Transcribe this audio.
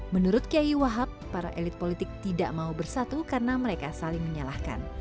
menurut kiai wahab para elit politik tidak mau bersatu karena mereka saling menyalahkan